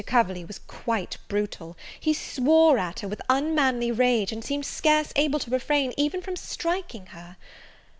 Coverley was quite brutal: he swore at her with unmanly rage, and seemed scarce able to refrain even from striking her.